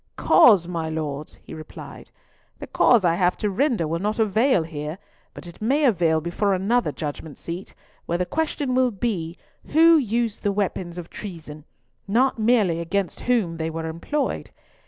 "Cause, my Lords?" he replied. "The cause I have to render will not avail here, but it may avail before another Judgment seat, where the question will be, who used the weapons of treason, not merely against whom they were employed.